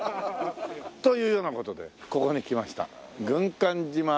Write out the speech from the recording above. というような事でここに来ました。